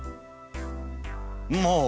もう！